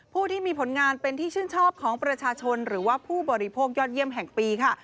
ผู้ที่มีผลงานเป็นที่ชื่นชอบของประชาชนหรือว่าผู้บริโภคยอดเยี่ยมแห่งปีค่ะ